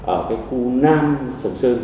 ở khu nam sơn sơn